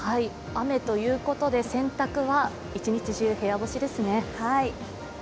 雨ということで洗濯は一日中、部屋干しですね。